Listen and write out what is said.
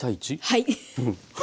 はい。